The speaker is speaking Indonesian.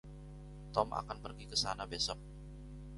Tom akan pergi ke sana besok.